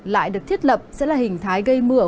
lại được thiết lập sẽ là hình thái gây mưa